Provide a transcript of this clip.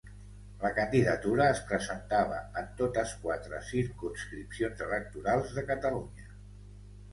La candidatura es presentava en totes quatre circumscripcions electorals de Catalunya.